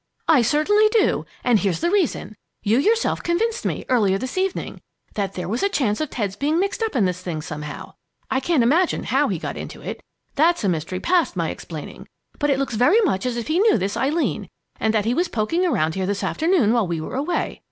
"I certainly do, and here's my reason: You yourself convinced me, earlier this evening, that there was a chance of Ted's being mixed up in this thing somehow. I can't imagine how he got into it that's a mystery past my explaining. But it looks very much as if he knew this Eileen, and that he was poking around here this afternoon while we were away.